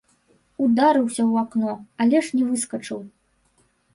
Ударыўся ў акно, але ж не выскачыў.